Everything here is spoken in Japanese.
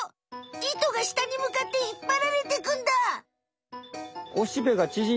糸がしたにむかってひっぱられていくんだ！